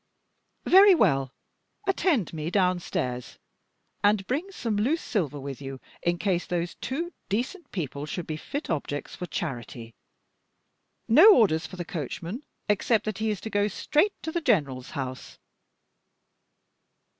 "Very well. Attend me downstairs; and bring some loose silver with you, in case those two decent people should be fit objects for charity. No orders for the coachman, except that he is to go straight to the general's house."